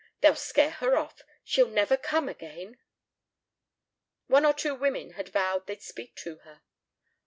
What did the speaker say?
They'll scare her off. She'll never come again." One or two women had vowed they'd speak to her.